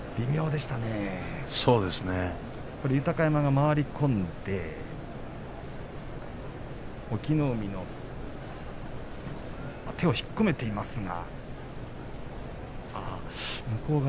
やっぱり豊山が回り込んで隠岐の海の手を引っ込めていますが。